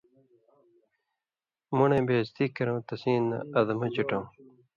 مُڑَیں بے عزتی کرؤں تسیں نہ ادمہ چِٹؤں